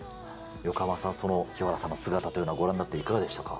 横浜さん、その清原さんの姿というのは、ご覧になって、いかがでしたか？